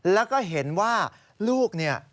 แล้วก็เห็นว่าลูกเนี่ย